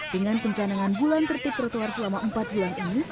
dengan pencanangan bulan tertib trotoar selama empat bulan ini